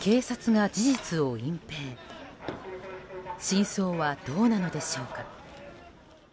真相はどうなのでしょうか。